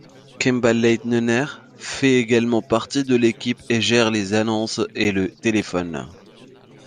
Kendall-Leigh Neuner fait également partie de l'équipe et gère les annonces et le téléphone.